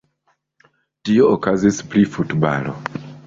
Tio okazis pri futbalo.